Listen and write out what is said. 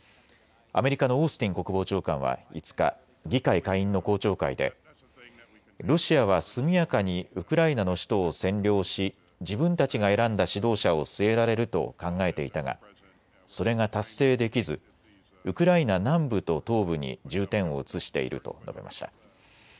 アメリカのオースティン国防長官は５日、議会下院の公聴会でロシアは速やかにウクライナの首都を占領し自分たちが選んだ指導者を据えられると考えていたがそれが達成できずウクライナ南部と東部に重点を移していると述べました。